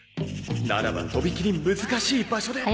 ならばとびきり難しい場所で！